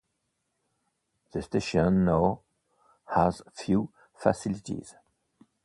The station now has few facilities.